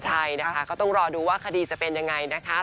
ใช่นะคะก็ต้องรอดูว่าคดีจะเป็นยังไงนะคะ